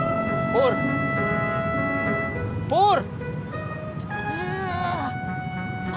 endang ternyata minta rasanya